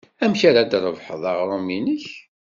Amek ara d-trebḥeḍ aɣrum-nnek?